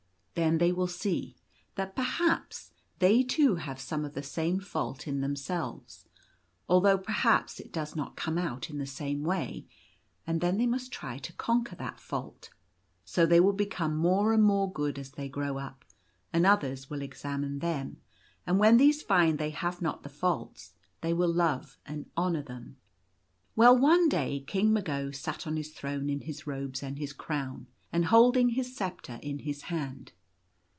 Then they will see that, perhaps, they too have some of the same fault in themselves — although perhaps it does not come out in the same way — and then they must try to conquer that fault. So they will become more and more good as they grow up ; and others will examine them, and when these find they have not the faults, they will love and honour them. Well, one day King Mago sat on his throne in his robes and his crown, and holding his sceptre in his hand.